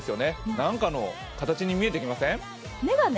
なんかの形に見えてきません？